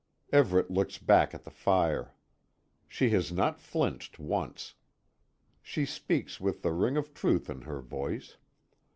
Everet looks back at the fire. She has not flinched once. She speaks with the ring of truth in her voice.